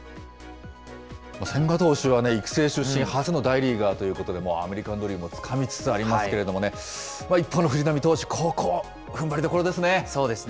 千賀投手は育成出身初の大リーガーということで、アメリカンドリームもつかみつつありますけどね、一方の藤浪投手、ここ、ふんばりどころですね。